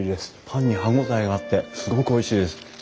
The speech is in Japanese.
パンに歯応えがあってすごくおいしいです。